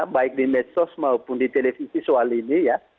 baik di medsos maupun di televisi soal ini ya